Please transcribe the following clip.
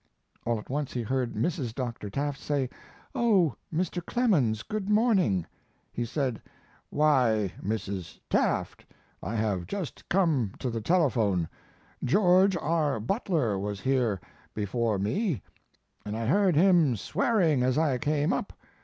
All at once he heard Mrs. Dr. Tafft say, "Oh, Mr. Clemens, good morning." He said, "Why, Mrs. Tafft, I have just come to the telephone. George, our butler, was here before me and I heard him swearing as I came up.